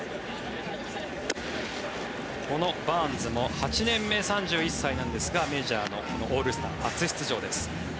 このバーンズも８年目３１歳なんですがメジャーのオールスター初出場です。